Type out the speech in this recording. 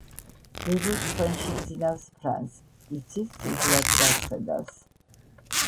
ბებოს სხვენში ძინავს ფრანს, იცით სიზმრად რას ხედავს